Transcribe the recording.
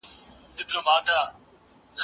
که موضوع ستونزمنه وي له لارښود څخه مرسته وغواړه.